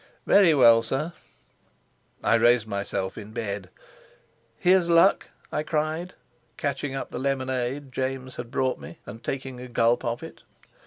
"Very well, sir." I raised myself in bed. "Here's luck," I cried, catching up the lemonade James had brought me, and taking a gulp of it.